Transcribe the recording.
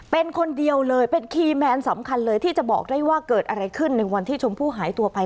เป็นคนเดียวเลยเป็นคีย์แมนสำคัญเลยที่จะบอกได้ว่าเกิดอะไรขึ้นในวันที่ชมพู่หายตัวไป